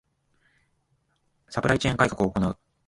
ⅱ サプライチェーン改革を行う